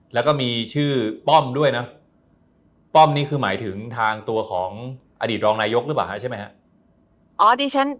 แล้วก็มีชื่อป้อมด้วยนะป้อมนี่คือหมายถึงทางตัวของอดีตรองนายกหรือเปล่าใช่ไหมฮะ